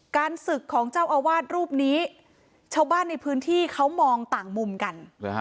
ศึกของเจ้าอาวาสรูปนี้ชาวบ้านในพื้นที่เขามองต่างมุมกัน